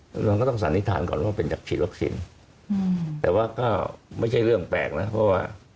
เราก็ต้องสันนิษฐานก่อนว่าเป็นจากฉีดวัคซีนแต่ว่าก็ไม่ใช่เรื่องแปลกนะ